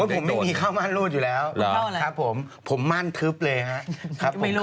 ผมไม่มีเข้ามั่นรูดอยู่แล้วครับผมผมมั่นทึบเลยฮะ